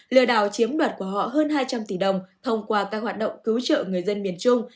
lừa đảo chiếm đoạt của họ hơn hai trăm linh tỷ đồng thông qua các hoạt động cứu trợ người dân miền trung